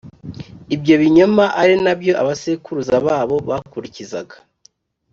ibyo binyoma ari na byo abasekuruza babo bakurikizaga;